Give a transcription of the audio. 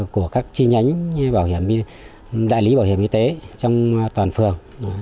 của các chi nhánh đại lý bảo hiểm y tế trong toàn phường